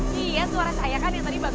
iya suara saya kan yang tadi bagus